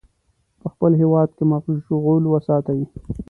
په خپل هیواد کې مشغول وساتي.